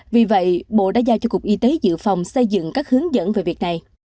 vì vậy bộ đã giao cho cục y tế dự phòng xây dựng các hướng dẫn về việc này